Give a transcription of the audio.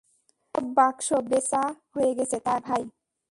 সব বাক্স বেচা হয়ে গেছে, ভাই?